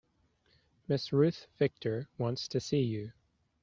Mrs. Ruth Victor wants to see you.